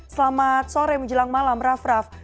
selamat sore menjelang malam raff raff